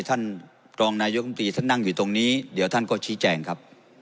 ท่านรองนายกรรมตรีท่านนั่งอยู่ตรงนี้เดี๋ยวท่านก็ชี้แจงครับ